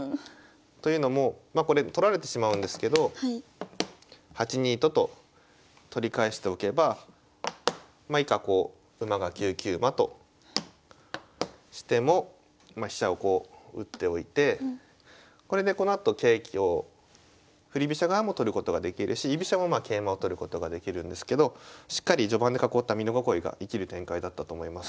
というのもまあこれ取られてしまうんですけど８二と金と取り返しておけばまあ以下こう馬が９九馬としても飛車をこう打っておいてこれでこのあと桂香振り飛車側も取ることができるし居飛車もまあ桂馬を取ることができるんですけどしっかり序盤で囲った美濃囲いが生きる展開だったと思います。